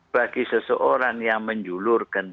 bagi seseorang yang menjulurkan